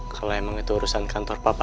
kalau emang itu urusan kantor papa